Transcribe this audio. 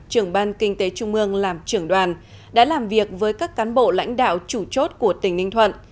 trưởng ban kinh tế trung ương làm trưởng đoàn đã làm việc với các cán bộ lãnh đạo chủ chốt của tỉnh ninh thuận